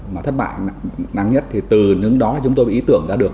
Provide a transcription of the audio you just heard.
mà thất bại nắng nhất thì từ những đó chúng tôi bị ý tưởng ra được